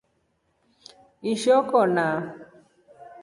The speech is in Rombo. Ishoo kona.